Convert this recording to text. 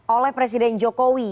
oleh presiden jokowi